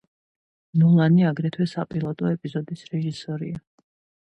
ნოლანი აგრეთვე საპილოტო ეპიზოდის რეჟისორია.